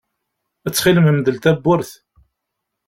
Ttxil-m mdel tawwurt.